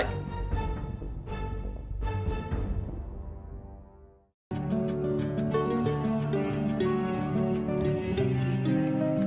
hẹn gặp lại